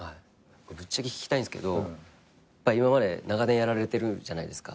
ぶっちゃけ聞きたいんすけど今まで長年やられてるじゃないですか。